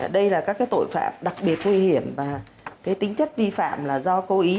đây là các cái tội phạm đặc biệt nguy hiểm và cái tính chất vi phạm là do cô ý